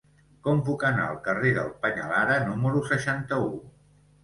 Com puc anar al carrer del Peñalara número seixanta-u?